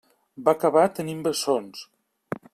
Va acabar tenint bessons.